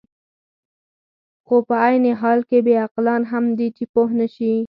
خو په عین حال کې بې عقلان هم دي، چې پوه نه شي.